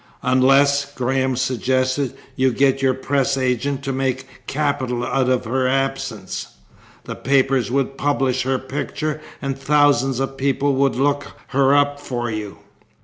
"Unless," Graham suggested, "you get your press agent to make capital out of her absence. The papers would publish her picture and thousands of people would look her up for you."